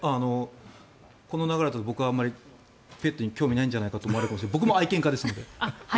この流れだと僕はあまりペットに興味がないんじゃないかと思われますが僕も愛犬家ですので。